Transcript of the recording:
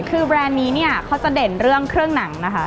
คือแบรนด์นี้เนี่ยเขาจะเด่นเรื่องเครื่องหนังนะคะ